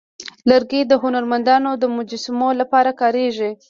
لرګی د هنرمندانو د مجسمو لپاره کارېږي.